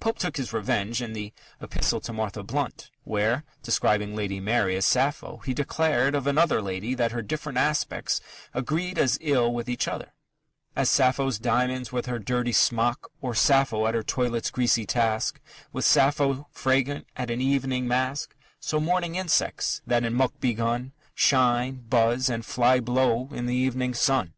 Pope took his revenge in the Epistle to Martha Blount, where, describing Lady Mary as Sappho, he declared of another lady that her different aspects agreed as ill with each other As Sappho's diamonds with her dirty smock; Or Sappho at her toilet's greasy task With Sappho fragrant at an evening mask; So morning insects, that in muck begun, Shine, buzz, and fly blow in the evening sun.